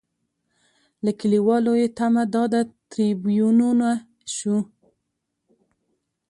له لیکوالو یې تمه دا ده تریبیونونه شو.